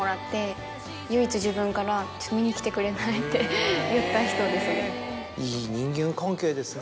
唯一自分から「見に来てくれない？」って言った人ですね。